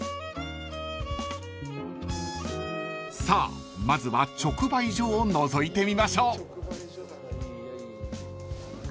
［さあまずは直売所をのぞいてみましょう］